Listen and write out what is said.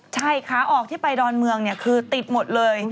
ใช่ขาออกที่ไปดอนเมืองคือติดหมดเลย